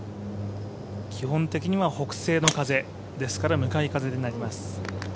基本的には北西の風ですから向かい風になります。